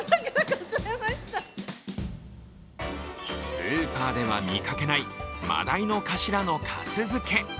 スーパーでは見かけない、真だいの頭のかす漬け。